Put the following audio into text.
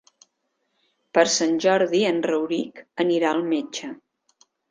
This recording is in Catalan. Per Sant Jordi en Rauric anirà al metge.